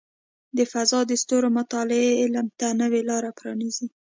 د فضاء د ستورو مطالعه علم ته نوې لارې پرانیزي.